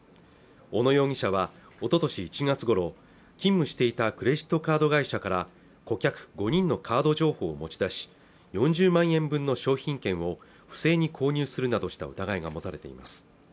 小野容疑者はおととし１月ごろ勤務していたクレジットカード会社から顧客５人のカード情報を持ち出し４０万円分の商品券を不正に購入するなどした疑いが持たれています